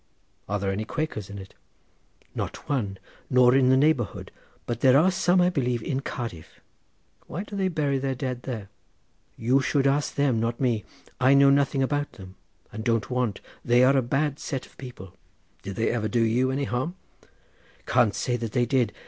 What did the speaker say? "Are there any Quakers in it?" "Not one, nor in the neighbourhood, but there are some, I believe, in Cardiff." "Why do they bury their dead there?" "You should ask them, not me. I know nothing about them, and don't want; they are a bad set of people." "Did they ever do you any harm?" "Can't say they did.